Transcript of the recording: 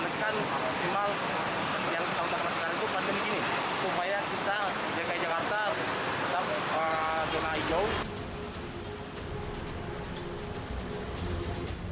adalah untuk memanaskan simak yang contohnya sekarang itu pasti begini supaya kita jg jakarta